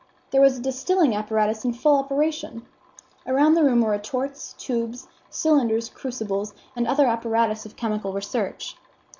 There was a distilling apparatus in full operation. Around the room were retorts, tubes, cylinders, crucibles, and other apparatus of chemical research.